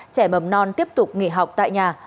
trẻ mầm non tiếp tục nghỉ học tại nhà